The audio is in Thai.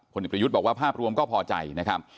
เด็กประยุทธ์บอกว่าภาพรวมก็พอใจนะครับ